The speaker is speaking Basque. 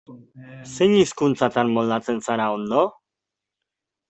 Zein hizkuntzatan moldatzen zara ondo?